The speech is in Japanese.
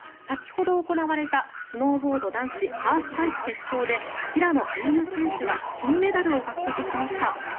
先ほど、行われたスノーボード男子ハーフパイプ決勝で平野歩夢選手が金メダルを獲得しました。